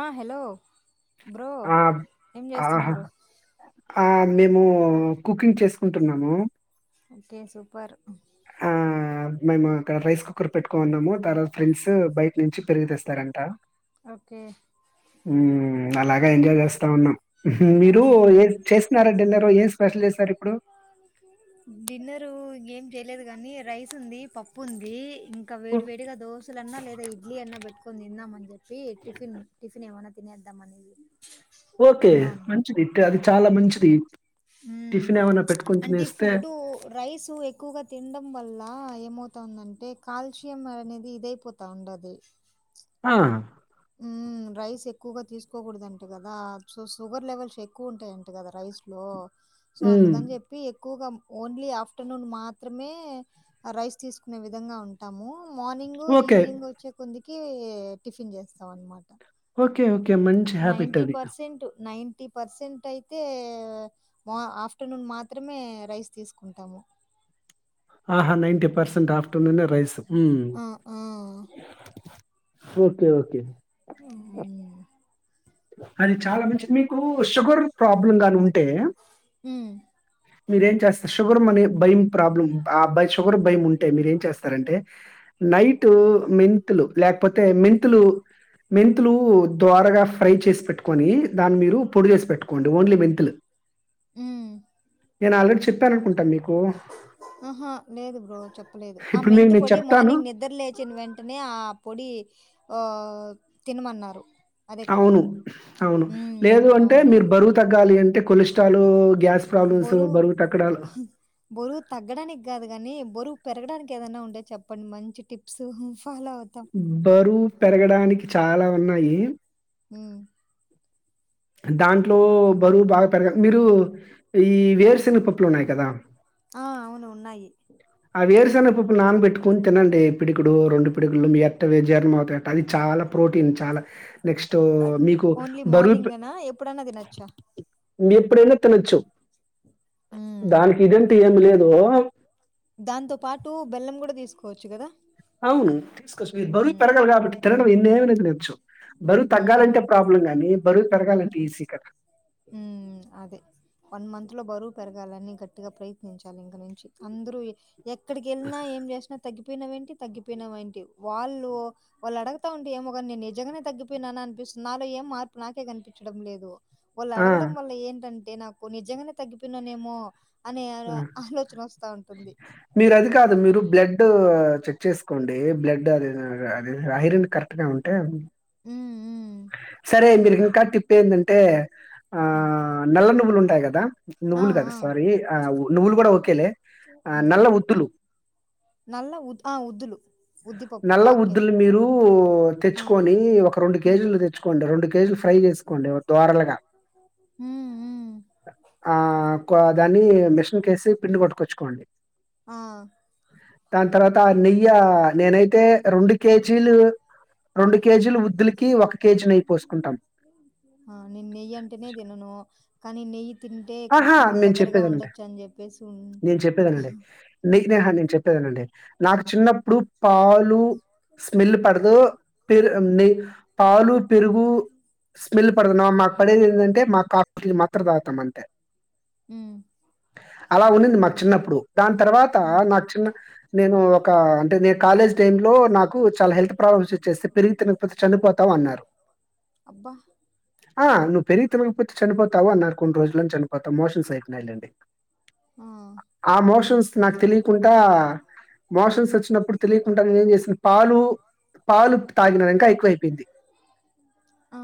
ఆ hello! Bro ఆ! ఏం ఆహా! చేస్తున్నారు? ఆ! మేము కుకింగ్ చేసుకుంటున్నాము. ఓకే సూపర్ ఆ మేము అక్కడ రైస్ కుక్కర్ పెట్టుకున్నాము తర్వాత ఫ్రెండ్స్ బయట నుంచి పెరుగు తెస్తారంట ఓకే అలా బగా ఎంజాయ్ చేస్తా ఉన్నాం. ఆ మీరు ఏ చేస్తున్నార డిన్నర్ సరి డిన్నరు ఏం చే లేదు కాని రైస్ ఉంది, పప్పు ఉంది. ఇంకా ఓ వేడి వేడిగా దోశలన్నా లేదా ఇడ్లీ అన్నా పెట్టుకొని తిన్నాం అని చెప్పి టిఫిన్ టిఫిన్ ఏమన్నా తిన అడ్ద్ద మనీవి ఓకే మంచి అది చాలా మంచిది టిఫిన్ ఏమైనా పెట్టుకొని అంటే తినేస్తే ఫుడ్డు రైస్ ఎక్కువగా తిండ ం వల్ల ఏమవుతాందంటే కాల్షియం అనేది ఇదయిపోతా ఉండది ఆ రైస్ ఎక్కువగా తీసుకోకూడద అంటే కదా సో షుగర్ లెవెల్స్ ఎక్కువ ఉంటాయంట కదా రైస్ లో సో హ్మ్. అందుకని చెప్పి కూగం ఓన్లీ ఆఫ్టర్నూన్ మాత్రమే రైస్ తీసుకునే విధంగా ఉంటాము. Morning okay. ఈవెనింగ్ వచ్చే కొద్ది కి టిఫిన్ చే స్తాం మాట కే ఓకే మంచి హ్యాబిట్ నైన్టీ అది. పర్సెంట్ నై టీ పర్సెంట్ అయితే మా ఆఫ్టర్నూన్ మాత్రమే రైస్ తీసుకుంటాము ఆహా నైన్టీ పర్సెట్ ఆఫ్ టుటునే రైస్ ఆ! ఆ! ఫు ఓకే ఓకే హ్మ్. అది చాలా మంచి మీకు షుగర్ ప్రాబ్లమ్ గా ఉంటే హు మీరేం చేస్తా షుగర్ మనే భయం ప్రాబ్లం ఆ బై షుగర్ భయం ఉంటే మీరు ఏం చేస్తారంటే నైట్ మెంతులు లేకపోతే మెంతులు మెంతులు ద్వారగా ఫ్రై చేసి పెట్టుకొని దాన్ని మీరు పొడి చేసి పెట్టుకోండి ఓన్లీ మెంతుల్. హూ చెప్పాననుకుంటా మీకు. ఆహా లేదు బ్రో చెప్పలేదు ఆ ఇప్పుడు మీకు మెంత నేను పొడి చెప్తాను మార్నింగ్ నిద్ర లేచిన వెంటనే ఆ పొడి హా తినమన్నారు అదే కదా! అవును అవును హ్మ్. లేదు అంటే అవునవును. మీరు బరువు తగ్గాలి అంటే కొలె కాళ్లు బోరువు హు బోరువు తగ్గడానికి కాదు కాని బోరు పెరగడానికి ఏదన్నా ఉండే చెప్పం మంచి టిప్స్ ఫాలో అవుతాం. బరు పెరగడానికి చాలా ఉన్నాయి హూ దాంట్లో ప్ బరువు బాగా పెర మీరు ఈ వేరుశెనపప్పులు ఉన్నాయి కదా అ అవును ఉన్నాయి. పప్పు నానబట్టుకొని తినండి, పిడుకుడు రెండు పిడుగులు ఎవి [unintelligible] జీర్ణం అవుతా ఎ అది చాలా ప్రోటీన్ చాలా నెక్స్ట్ ఉ మీకు బరువు పే ఏనా ఎప్పుడనా తినచ్చా. మీరు ఎప్పుడైనా నా తినచ్చు. హ్మ్. దాన్కి ఇదన్ టీ ఏమి లేదు. దాంతో పాటు బెల్లం కూడా తీసుకోవచ్చు గదా అవును తీసుకోవచ్చు మీ బరువు హ్మ్. పెరగల్ కాబట్టి తినడం ఎన్నైన తినోచ్చు బరువు హ్మ్. తగ్గాలంటే ప్రాబ్లం గాని బరువు పెరగాల్ పిసికా ఉ అదే వన్ మంత్ లో బరువు పెరగాలని గట్టిగా ప్రయత్నించాలి ఇంక నుంచి అందరూ ఎక్కడికి వెళ్ళినా ఏం చేసినా తగ్గి పోయినవు ఏంటి తగ్గిపోయినవు ఏంటి వాళ్ళు వాళ్ళు అడుగుతా ఉంటే ఏమో కాని నేను నిజంగానే తగ్గిపోయినానా అని అనిపిస్తుంది నాలో ఏం మార్పు నాకే కనిపించడం లేదు. వాళ్ళు ఆ! అడగడం వల్ల ఏంట ంటే నాకు నిజంగానే తగ్గిపోయిననేమో ఆ మీరు అది కాదు మీరు బ్లడ్ చెక్ చేసుకోండి బ్లడ్ అది ఏదో ఐరన్ కరెక్ట్ గా ఉంటే ఉమ్ ఉమ్ సరే మీరు ఇంకా టిప్పు ఏందంటే ఆ ఉమ్ నల్ల నువ్వులు ఉం టాయి కదా ఆ నువ్వులు కాదు ఆ సారీ ఆ నువ్వులు కూడా ఒకేలే ఆ ఉమ్ నల్ల ఉద్దులు నల్ల ఉద్ ఆ ఉద్దులు ఉద్దిపప్పులు నల్ల ఓకే ఉద్దులు మీరు ఆ తెచ్చుకొని ఒక రెండు ఉమ్ కేజీలు తెచ్చుకొని రెండు కే జీలు ఫ్రై చేసుకోండి దోరలుగా ఉమ్ ఉమ్ ఆ దాన్ని మిషన్కేసి పిండి కొట్టుకొచ్చుకోండి. ఆ దాని తర్వాత నెయ్య నేనైతే రెండు కేజీలు రెండు కేజీలు ఉద్దులకి ఒక కేజీ నెయ్యి పోసుకుంటాం. ఆ నేను నెయ్యి అంటేనే తినను కానీ నెయ్యి తింటే ఆహా కృష్ణుడి నేను దగ్గరగా చెప్పేదండి ఉండొచ్చు అని చెప్పేసి ఉన్ నేను చెప్పేది వినండి నీకు న నేహా నేను చెప్పేది వినండి. నాకు చిన్నప్పుడు పాలు స్మెల్ పడదు పేరు రు నే పాలు పెరుగు స్మెల్ పడదు మాకు పడేది ఏంటంటే మా కాఫీకి మాత్రం తాగుతాం అంతే ఉమ్ అలా ఉన్నింది మాకు చిన్నప్పుడు దాని తర్వాత ఉమ్ నాకు చిన్న నేను ఒక అంటే నే కాలేజ్ టైమ్ లో నాకు చాలా హెల్త్ ప్రాబ్లమ్స్ వచ్చేస్తే పెరిగి తినకపోతే చనిపోతావు అన్నారు అబ్బ ఆ నువ్వు పెరుగు తినకపోతే చనిపోతావు అన్నారు కొన్ని రోజుల్లోని చనిపోతావు మోషన్స్ అయితున్నాయి లెండి ఆ ఆ మోషన్స్ నాకు తెలియకుంట చేశాను పాలు, పాలు తాగినాను ఇంకా ఎక్కువైపోయింది. ఆ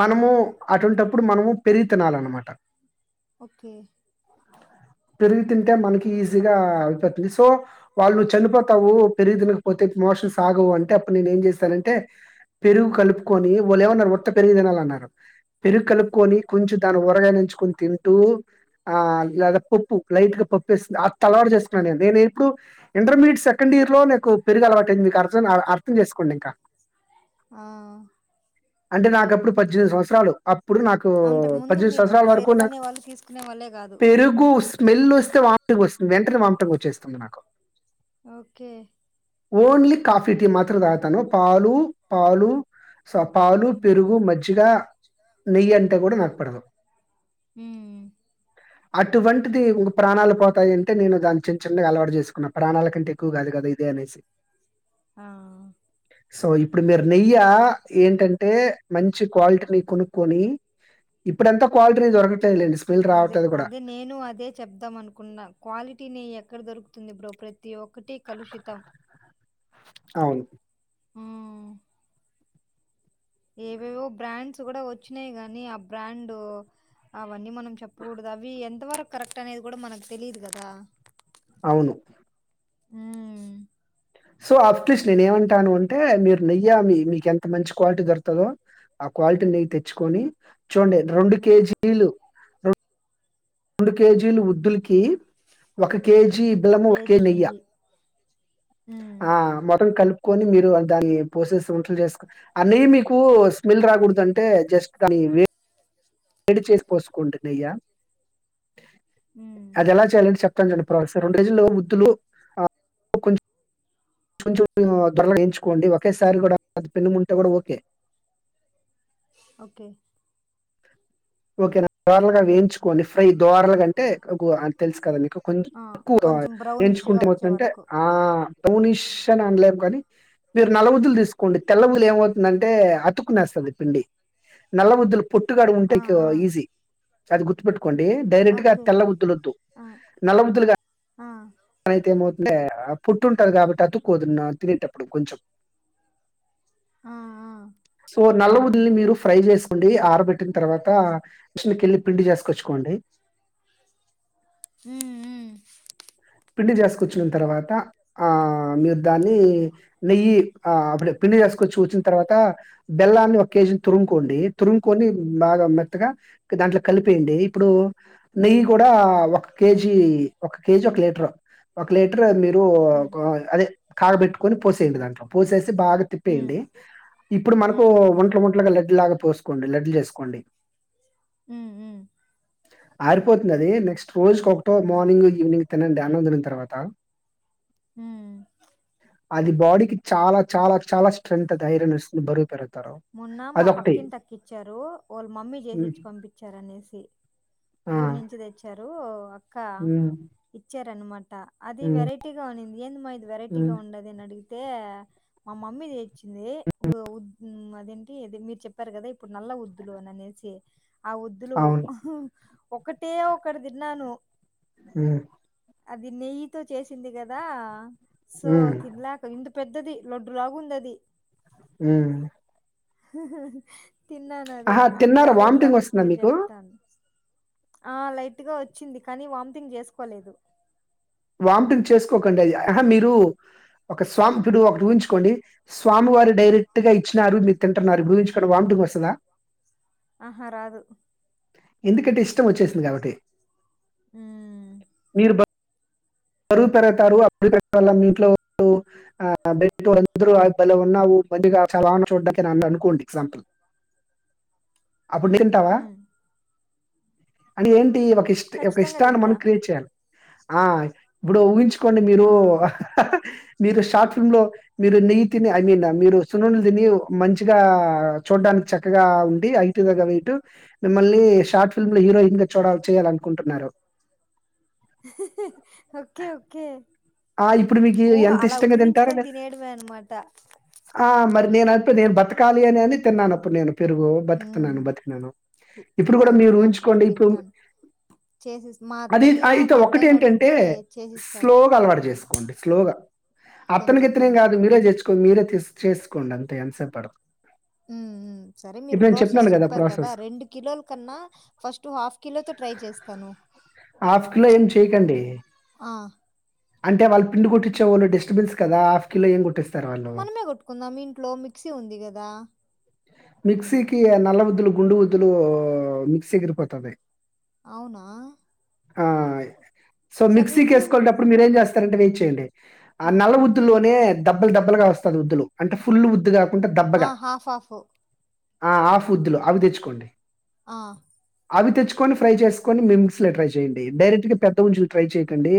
మనము అటువంటప్పుడు మనము పెరుగు తినాలన్నమాట ఓకే పెరుగు తింటే మనకి ఈజీగా అయిపోతుంది సో వాళ్ళు చనిపోతావు పెరుగు తినకపోతే మోషన్ ఆగవు అంటే అప్పుడు నేను ఏం చేస్తానంటే పెరుగు కలుపుకొని వాళ్ళు ఏమన్నారు ఉత్త పెరుగు తినాలన్నారు పెరుగు కలుపుకొని కొంచెం దాన్ని ఉరగాయ నంచుకొని తింటూ ఆ లేదా పప్పు లైట్ గా పప్పు వేసుకొని అట్లా అలవాటు చేసుకున్నా నేను ఇప్పుడు ఇంటర్మీడియట్ సే సెకండ్ ఇయర్ లో నాకు పెరుగు అలవాటయింది మీకు అ అర్థం చేసుకోండి ఇంకా ఆ అంటే నాకప్పుడు పద్దెనిమిది సంవత్సరాలు ఇప్పుడు నాకు అంతకుముందు పద్దెనిమిది మీరు సంవత్సరాల వరకు నాకు పెరుగనే వాళ్ళు తీసుకునే వాళ్ళే కాదు పెరుగు స్మెల్ వస్తే వాటక వస్తుంది వెంటనే వాట వచ్చంది చేస్తుంది నాకు ఓకే ఓన్లీ కాఫీ టీ మాత్రతాను పాలు పాలు పాలు ఉమ్ పెరుగు మజ్జిగ నెయ్యి అంట కూడా కూడా నపడదు ఉమ్ అటువంటిది ఇం ప్రాణాలు పోతాయి అంటే నేను దాన్ని చిన్న చిన్నగా అలవాటు చేసుకున్నా ప్రాణాల కంటే ఎక్కువ కాదు కదా ఇదే అనేసి ఆ సో ఇప్పుడు మీరు నెయ్య ఏంటంటే మంచి క్వాలిటీని కొనుక్కొని ఇప్పుడు ఎంత క్వాలిటీని దొరకటాలేండి అదే అదే నేను అదే చెప్దాం అనుకున్నా క్వాలిటీని ఎక్కడ దొరుకు ంది బ్రో ప్రతి ఒక్కటి కలుషితం అవును ఆ ఏవేవో బ్రాండ్స్ కూడా వచ్చినాయి గానీ ఆ బ్రాండ్ అవన్నీ మనం చెప్పకూడదు అవి ఎంతవరకు కరెక్ట్ అనేది కూడా మనకు తెలిదు కదా అవును ఉమ్ సో అట్లీస్ట్ నేను ఏమంటాను అంటే మీరు నెయ్యా మీ మీకు ఎంత మంచి క్వాలిటీ దొరుకుతందో ఆ క్వాలిటీ నెయ్యి తెచ్చుకొని చూడండి రెండు ఉమ్ కేజీలు అ రెండు కేజీలు వద్దులకి ఒక ఉమ్. కేజీ బెలము ఒక కేజీ కేేజ నెయ్య నెయ్యి ఉమ్ ఆ మొత్తం కల్పి కొని మీరు దాన్ని పోసేసి వంటలు చేసుకు అన్న మీకు స్మెల్ రాకూడదు అంటే జస్ట్ దాే ఏడి చేసి పోసుకుంటు నయ్యా ఉమ్ అదలా చాలం చెక్ చెప్తాను అండి ప్రాసెస్ రెండు రజుల్లో వద్దులు క [unintelligible] దొరగా ఎంచుకోండి ఒకేసారి కూడా పెన్నముంటే కూడా ఓకే ఓకే ఓకే నా దోరలాగా వేయించుకోండి ఫ్రై దోరలగా అంటే తెలుసు కదా మీకు కొంచం ఆ తక్కువ కొంచెం బ్రౌనిష్ గా ఎంచుకుంటే వచ్చే ఏమవుతుంది అంటే వరకు ఆ, బ్రౌనిష్ అని అనలేము కానీ మీరు నల్లవుద్దులు తీసుకోండి తెల్లవులు ఏమవుతుందంటే. అతుకునేస్తుంది పిండి నల్లవుద్దులు, పొట్టుగాడ ఉంటే ఆ ఆ అది గుర్తు పెట్టు కోండి డైరెక్ట్ గా ఓకే తెల్లఉద్దులు వద్దు ఆ నల్లవుద్దులు, ఆ అనైతే ఏమవుతుంటే పుట్టు ఉంటది. కాబట్టి అతుకోదు తినేటప్పుడు కొంచెం, ఆ ఆ సో నల్ల వువుందుళిని మీరు ఫ్రై చేసుకోండి ఆరబెట్టిన తరువాత మిషకిళ్ళి పిండి చేసుకొచ్చుకోండి, హు హు పిండి చేసుకొచ్చిన తర్వాత. ఆ మీరు దాన్ని నెయ్యి ఆ అప్పుడు పిండి చేసుకొచ్చి వచ్చిన తర్వాత బెల్లాన్ని ఒక కేజీని తురుుకోండి. తురుంగుకొని బాగా మెత్తగా దాంట్లో కలిపయండి ఇప్పుడు నెయ్యి కూడా ఒక కేజీ ఒక కేజీ ఒక లే, రు ఒక లీటర్ మీరు, ఉ ఉమ్ కో అదే కాగా పెట్టుకొని పోసేయండి దాంట్లో పోసేసి, బాగా ఉమ్ తిప్పేయాడి ఇప్పుడు మనకు ఉమ్ ఒంట్లో ఒంట్లో లడ్డు లాగా, పోసుకోండి లడ్డలు చేసుకోండి, ఉ హు అరిపోతుంది నెక్స్ట్ రోజుకి ఒకటో మార్నింగ్ ఈవినింగ్, తినండి అన్నం తిని తర్వాత, హు అది బాడీకి చాలా చాలా చాలా స్ట్రెంత్ అది ఐరన్ర్స్ బరువు పెరుగు, మొన్న మా పక్కిటి అక్క ఇచ్చారు. వాళ్ళ మమ్మీ చేసి హ్మ్. ఇచ్చి పంపించారు. అనేసి ఆ! ఊరు నుంచి తెచ్చారు, అక్క హ్మ్. ఇచ్చ టన్మాట అది హ్మ్. వెరైటీగా ఉనింది ఏంద మా ఇది వెరైటీగా హ్మ్. ఉండది అడిగి, తే మా మమ్మీ, వచ్చి ఓ వు అదేంటి మీరు చెప్పారు కదా ఇప్పుడు నల్ల వద్దులు అని అనేసి, ఆ వుద్దులు, అవును. ఒకటే ఒకటి తిన్నాను, ఊ అది నెయ్యితో చేసింది కదా, సో హ్మ్. తినలేక ఇ పెద్దది లడ్డు లాగా ఉంది అది, ఊ [unintelligible] తిన్నాను అదే ఆహా! ఇప్పుడు తిన్నారా అదే వామిటింగ్ ప్రాసెస్ వస్తుందా మీరు మీకు? చెప్తారు, ఆ లైట్గా వచ్చింది కానీ వామ్తింగ్ చేసుకోలేదు వామిటింగ్ చేసుకోకండి ఆహా మీరు ఒక స్వామి టుడు అప్పుడు ఊహించుకోండి స్వామి వారి డైరెక్ట్ గా ఇచ్చినారు మీరు తింటున్నారు ఊవించుకోండి వామిటింగ్ వస్తుందా, ఆహా రాదు ఎందుకంటే ఇష్టం వచ్చేసింది కాబట్టి హ్మ్ మీర్ బ బరువు పెరగుతారు [unintelligible] మీంట్లో [unintelligible] చూడ్డానికి అని అనుకోండి ఎగ్జాంపుల్. అప్పుడు నువ్వు మ్మ్ తింటావా? హుం అంటే ఏం ఇ ఒక ఇష్ట్ ఒక ఖచ్చితంగా ఇష్టాన్ని తింటా. మనం క్రియేట్ చేయాలి ఆ బ్బుడు ఊహించు కోండి ఆ మీరు మీరు షార్ట్ ఫిల్మ్ లో మీరు నెయ్యితిని ఐ మీన్ మీరు సున్నుండ దిని మంచిగా చూడ్డానికి చక్కగా ఉండి హైటు దగ్గ వైటు, మిమ్మల్ని షార్ట్ ఫిల్మ్ లో హీరోయిన్ గా చూడ చేయాల అనుకుంటున్నారు. ఓకే ఓకే ఆ ఇప్పుడు మీకి ఊహ ఎంత అలా ఇష్టంగా తింటారు ఊహించుకొని మీరు తినేయడమే అన్నమాట. ఆ మరి నేను అనిపిది బతకాలి అని అని తిన్నాను అప్పుడు నేను పెరుగు బతుకుతున్నాను హుహు బతికినాను, తి ఇప్పుడు కూడా తినాలి మీరు తినాలి బ్రో ఊంచుకోండి ఇప్పుడు తింటాను. చేసిస్ మా అది అత్తయ్య ఐతే మా ఒక్కటి అత్తయ్యని ఏంటంటే అడిగితే చేసిస్తారు స్లోగా అలవాటై. సుకోండి స్లో గా అత్తని కొంచెం గిత్తని కొంచెం. కాదు మీరే చేచ్చుకో మీరే థిస్ చేసుకోండి అంతే ఎంత సేపు పడ ఊ ఊ సరే మీరు ప్రాసెస్ చెప్పినాను చెప్పారు కదా ప్రాసెస్ రెండు కిలోల కన్నా ఫస్ట్ హాఫ్ కిలోతో ట్రై చేస్తాను హాఫ్ కిలో ఏం చేయకండి ఆ అంటే వాళ్ళు పిండి కొట్టిచ్చేవాళ్ళు డస్టబెన్స్ కదా హాఫ్ కిలో ఏం కొట్టిస్ మనమే కొట్టుకుందాం ఇంట్లో మిక్సీ ఉంది కదా మిక్సీ కి నల్ల ఉద్దులు గుండు ఉద్దులు మిక్సి ఎగిరి పోతాది అవునా ఆ య్ సో సరే మిక్సీ ఇప్పుడు కేసుకొనేటప్పుడు మీరేం చేస్తారంటే నేను టేండి ఆ నల్ల ఉద్దుల్లోనే డబ్బలు దబ్బలుగా వస్తాది ఉద్దులు అంటే ఫుల్ ఉద్దు గా ఆ హాఫాఫ్ ఆ హాఫ్ ఉద్దులు అవి తెచ్చుకోండి ఆ అవి తెచ్చుకొని ఫ్రై చేసుకోని మీ మిక్సీ లో ట్రై చేయండి డైరెక్ట్ గా పెద్ద ఉంచులు ట్రై చేయకండి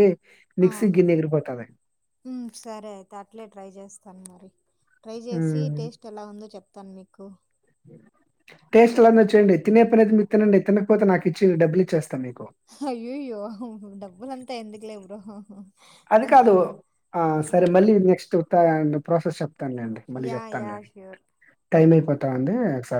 ఆ మిక్సీ గిన్నె ఎగిరిపోతుంది మ్మ్ సరే అయితే అట్లే ట్రై చేస్తాను మరి ట్రై చేసి హ్మ్. టేస్ట్ ఎలా ఉందో చెప్తాను మీ కు టేస్ట్ లందరు చేయండి తినే ప్రత్ మీరు తినండి తినకపోతే నాకు ఇచ్చియండి డబ్బులు ఇచ్చేస్తా మీకు అయ్యయ్యో అవు డబ్బులు అంతా ఎందుకులే బ్రో అది కాదు ఆ సరే మళ్ళీ నెక్స్ట్ ం ప్రాసెస్ చెప్ప చెప్తానులేండి మళ్ళీ యా యా చెప్తానులేండి ష్యూర్ టైమ్ అయిపోతావుంది సర్